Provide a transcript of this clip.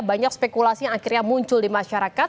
banyak spekulasi yang akhirnya muncul di masyarakat